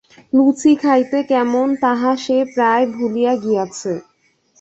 লুচি খাইতে কেমন তাহা সে প্রায় ভুলিয়া গিয়াছে।